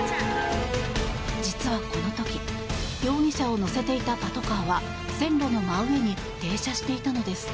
実はこの時容疑者を乗せていたパトカーは線路の真上に停車していたのです。